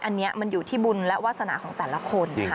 อันนี้มันอยู่ที่บุญและวาสนาของแต่ละคนนะคะ